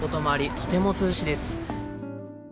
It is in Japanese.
とても涼しいです。